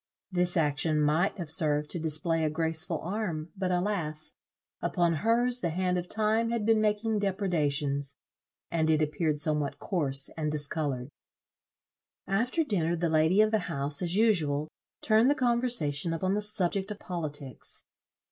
This action might have served to display a graceful arm, but, alas! upon hers the hand of time had been making depredations, and it appeared somewhat coarse and discoloured. After dinner, the lady of the house, as usual, turned the conversation upon the subject of politics.